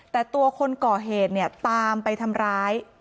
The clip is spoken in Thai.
แต่ตัวคนก่อเหตุเนี่ยตามไปทำร้าย